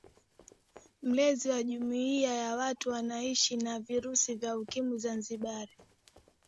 Mlezi wa Jumuiya ya Watu Wanaoishi na Virusi vya Ukimwi Zanzibar